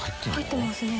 入ってますね。